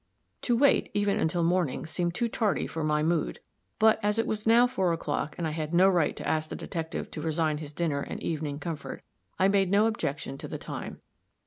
To wait, even until morning, seemed too tardy for my mood. But as it was now four o'clock, and I had no right to ask the detective to resign his dinner and evening comfort, I made no objection to the time.